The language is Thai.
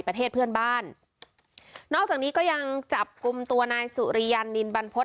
ประเทศเพื่อนบ้านนอกจากนี้ก็ยังจับกลุ่มตัวนายสุริยันนินบรรพฤษ